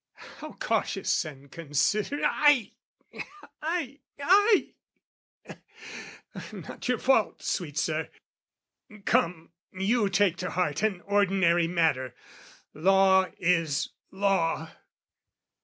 How cautious and considerate...aie, aie, aie, Not your fault, sweet Sir! Come, you take to heart An ordinary matter. Law is law.